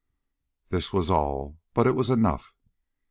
This was all, but it was enough.